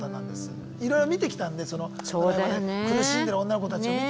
いろいろ見てきたんでそのドライバーで苦しんでる女の子たちをね。